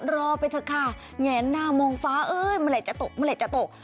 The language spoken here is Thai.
รอไปซะคะแงนน่ามองฟ้าเมื่อไหร่จะตก